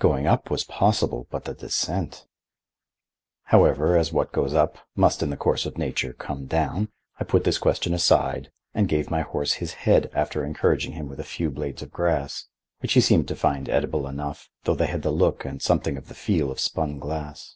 Going up was possible, but the descent— However, as what goes up must in the course of nature come down, I put this question aside and gave my horse his head, after encouraging him with a few blades of grass, which he seemed to find edible enough, though they had the look and something of the feel of spun glass.